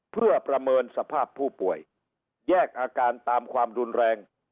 เพื่อประเมินสภาพผู้ป่วยแยกอาการตามความรุนแรง